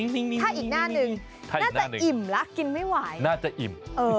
ถ้าอีกหน้านึงน่าจะอิ่มละกินไม่ไหว